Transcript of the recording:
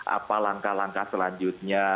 apa langkah langkah selanjutnya